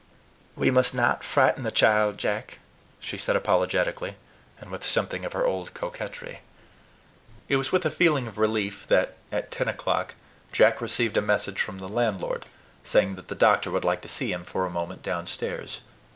"We must not frighten the child, Jack," she said apologetically, and with something of her old coquetry. It was with a feeling of relief that, at ten o'clock, Jack received a message from the landlord, saying that the doctor would like to see him for a moment downstairs.